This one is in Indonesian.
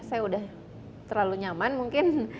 saya udah terlalu nyaman mungkin